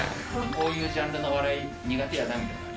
こういうジャンルの笑い、苦手やなみたいなの。